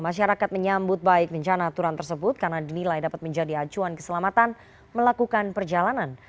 masyarakat menyambut baik rencana aturan tersebut karena dinilai dapat menjadi acuan keselamatan melakukan perjalanan